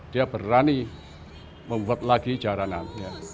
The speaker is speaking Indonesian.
dia berani membuat lagi jaranan